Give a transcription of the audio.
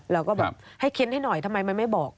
เราก็แบบให้เค้นให้หน่อยทำไมมันไม่บอก